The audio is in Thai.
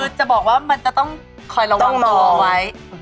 คือจะบอกว่ามันจะต้องคอยระวังรอไว้